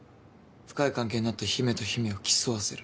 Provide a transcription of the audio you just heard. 深い関係になった姫と姫を競わせる。